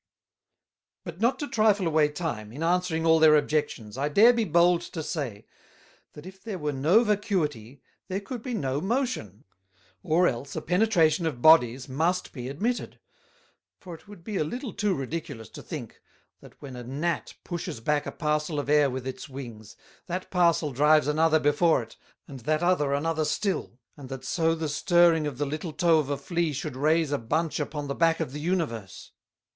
"But not to trifle away time, in answering all their objections, I dare be bold to say, That if there were no Vacuity, there could be no Motion; or else a Penetration of Bodies must be admitted; for it would be a little too ridiculous to think, that when a Gnat pushes back a parcel of Air with its Wings, that parcel drives another before it, that other another still; and that so the stirring of the little Toe of a Flea should raise a bunch upon the Back of the Universe.